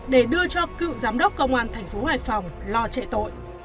để đưa cho cựu giám đốc công an thành phố hải phòng lo chạy tội